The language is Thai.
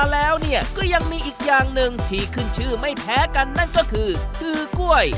แล้วก็ยังมีอีกอย่างหนึ่งที่ขึ้นชื่อไม่แพ้กันนั่นก็คือคือกล้วย